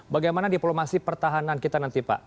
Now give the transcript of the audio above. bagaimana diplomasi pertahanan kita nanti pak